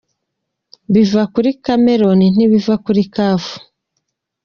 Biva kuri Cameroun ntibiva kuri Caf.